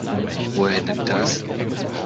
Woher denn das?